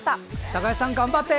高橋さん、頑張って！